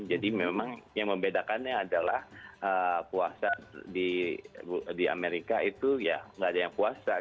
jadi memang yang membedakannya adalah puasa di amerika itu ya tidak ada yang puasa